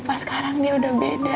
pas sekarang ini udah beda